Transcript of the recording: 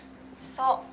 そう。